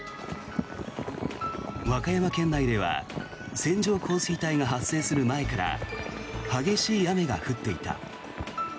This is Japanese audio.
和歌山県内では線状降水帯が発生する前から激しい雨が降っていた。